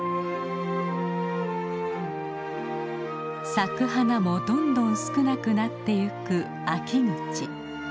咲く花もどんどん少なくなっていく秋口。